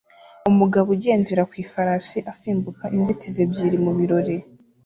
Umugabo ugendera ku ifarashi asimbuka inzitizi ebyiri mu birori